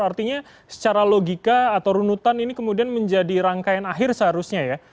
artinya secara logika atau runutan ini kemudian menjadi rangkaian akhir seharusnya ya